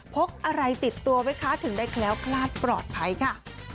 กอะไรติดตัวไว้คะถึงได้แคล้วคลาดปลอดภัยค่ะ